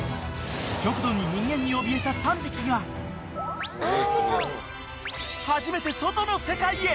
極度に人間におびえた３匹が初めて外の世界へ。